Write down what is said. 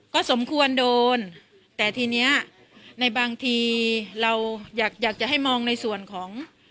ก็สมควรโดนแต่ทีเนี้ยในบางทีเราอยากอยากจะให้มองในส่วนของ